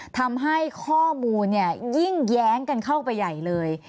ทำให้ข้อมูลยิ่งแย้งกันเข้าไปใหญ่เลย